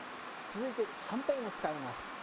続いてはんぺんを使います。